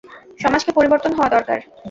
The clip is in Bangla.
সমাজকে পরিবর্তন হওয়া দরকার।